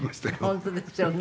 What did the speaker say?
本当ですよね。